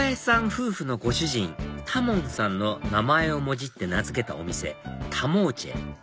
夫婦のご主人多聞さんの名前をもじって名付けたお店タモーチェ